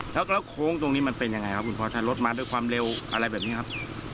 แล้วโค้งตรงนี้มันเป็นยังไงครับคุณพ่อถ้ารถมาด้วยความเร็วอะไรแบบนี้ครับ